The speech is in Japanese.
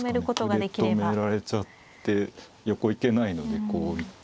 歩で止められちゃって横行けないのでこう行って。